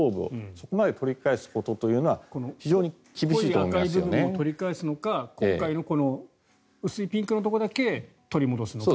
そこまで取り返すことというのはこの赤い部分を取り返すのか今回の薄いピンクのところだけ取り戻すのか。